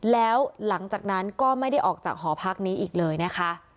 แล้วหลังจากนั้นก็ไม่ได้ออกจากหอพักนี้อีกเลยนะคะ